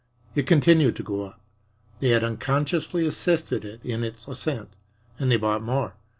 It continued to go up they had unconsciously assisted it in its ascent and they bought more.